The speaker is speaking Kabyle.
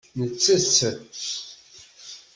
Nettett.